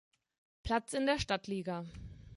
Platz in der Stadtliga.